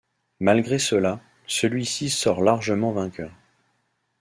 Malgré cela, celui-ci sort largement vainqueur.